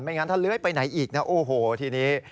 งั้นถ้าเลื้อยไปไหนอีกนะโอ้โหทีนี้